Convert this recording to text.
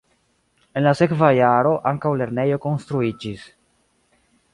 En la sekva jaro ankaŭ lernejo konstruiĝis.